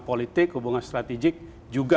politik hubungan strategik juga